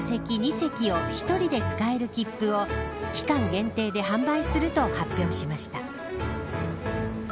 席を１人で使える切符を期間限定で販売すると発表しました。